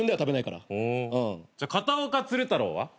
ほうじゃあ片岡鶴太郎は？